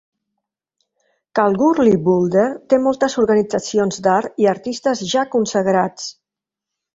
Kalgoorlie-Boulder té moltes organitzacions d'art i artistes ja consagrats.